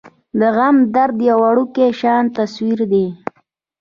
د غم درد يو وړوکے شان تصوير دے ۔